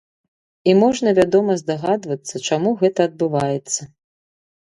І можна, вядома, здагадвацца, чаму гэта адбываецца.